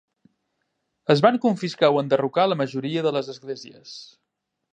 Es van confiscar o enderrocar la majoria de les esglésies.